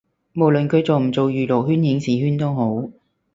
無論佢做唔做娛樂圈影視圈都好